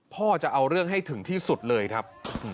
จะเอาเรื่องให้ถึงที่สุดเลยครับ